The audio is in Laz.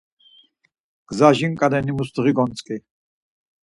Gza jinǩaleni musluği gontzǩi.